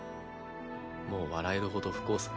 もう笑えるほど不幸さ。